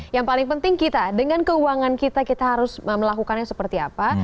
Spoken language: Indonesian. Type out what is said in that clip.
yang paling penting kita dengan keuangan kita kita harus melakukannya seperti apa